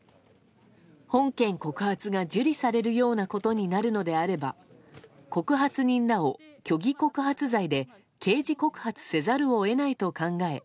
本件告発が受理されるようなことになるのであれば告発人らを虚偽告発罪で刑事告発せざるを得ないと考え